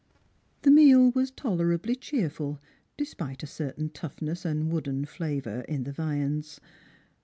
The meal was tolerably cheerful despite a certain toughness and wooden flavour in the viands.